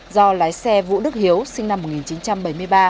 do lái xe vũ đức hiếu sinh năm một nghìn chín trăm bảy mươi ba